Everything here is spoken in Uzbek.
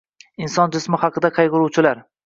Inson jismi haqida qaygʼuruvchilar